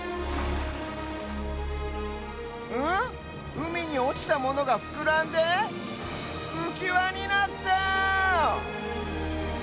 うみにおちたものがふくらんでうきわになった！